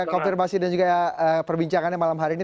konfirmasi dan juga perbincangannya malam hari ini